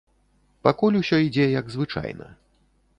Пакуль усё ідзе як звычайна.